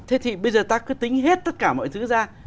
thế thì bây giờ ta cứ tính hết tất cả mọi thứ ra